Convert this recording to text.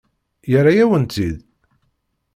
Yerra-yawen-tt-id?